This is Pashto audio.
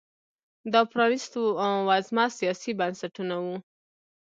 دا پرانیست وزمه سیاسي بنسټونه وو